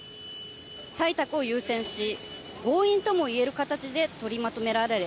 採択を優先し、強引とも言える形で取りまとめられる。